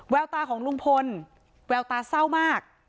ตาของลุงพลแววตาเศร้ามาก